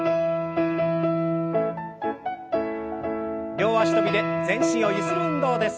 両脚跳びで全身をゆする運動です。